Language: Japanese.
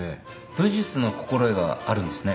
武術の心得があるんですね。